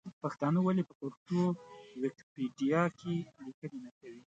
پښتانه ولې په پښتو ویکیپېډیا کې لیکنې نه کوي ؟